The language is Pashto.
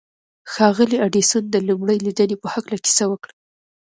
ښاغلي ايډېسن د لومړۍ ليدنې په هکله کيسه وکړه.